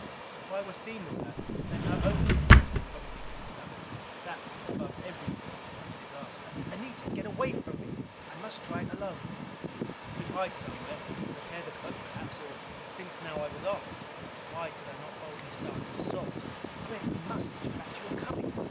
If I were seen with her, then her own disguise would probably be discovered. That above everything, would be disaster. "Anita, get away from me! I must try it alone!" I could hide somewhere, repair the cloak perhaps. Or, since now I was armed, why could not I boldly start an assault? "Gregg, we must get you back to your cubby!"